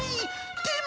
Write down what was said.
でも。